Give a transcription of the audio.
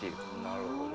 なるほど。